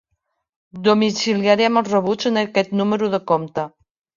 Domiciliarem els rebuts en aquest número de compte.